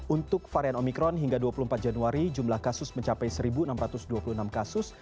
untuk varian omikron hingga dua puluh empat januari jumlah kasus mencapai satu enam ratus dua puluh enam kasus